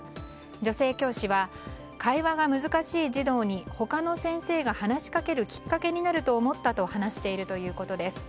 女性教師は、会話が難しい児童に他の先生が話しかけるきっかけになったと思ったと話しているということです。